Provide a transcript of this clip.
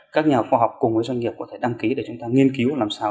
các nhà khoa học cùng với doanh nghiệp có thể đăng ký để chúng ta nghiên cứu làm sao